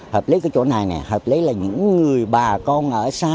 hợp lý cái chỗ này này hợp lý là những người bà con ở xa